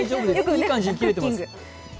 いい感じで切れています。